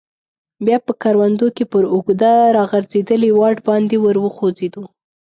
بیا په کروندو کې پر اوږده راغځیدلي واټ باندې ور وخوځیدو.